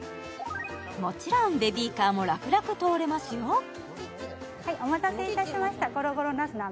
もちろんベビーカーも楽々通れますよお待たせいたしました